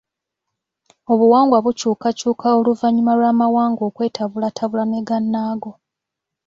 Obuwangwa bukyukakyuka oluvannyuma lw'amawanga okwetabulatabula ne gannaago.